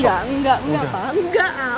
tidak tidak tidak pak tidak al